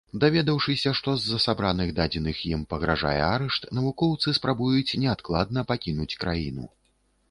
Даведаўшыся, што з-за сабраных дадзеных ім пагражае арышт, навукоўцы спрабуюць неадкладна пакінуць краіну.